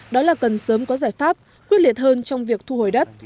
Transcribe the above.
đó là cần sớm có giải pháp quyết liệt hơn trong việc thu hồi đất